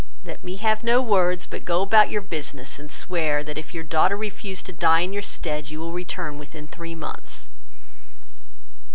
Let me have no words, but go about your business, and swear that if your daughter refuse to die in your stead, you will return within three months."